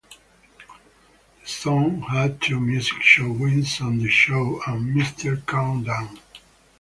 The song had two music show wins on "The Show" and "M Countdown".